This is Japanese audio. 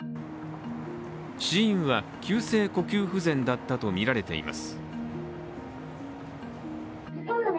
死因は急性呼吸不全だったとみられています。